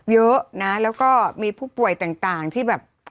เยอะนะแล้วก็มีผู้ป่วยต่างที่แบบ